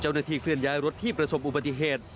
เจ้าหน้าที่เคลื่อนย้ายรถที่ประสบอุบัติเหตุ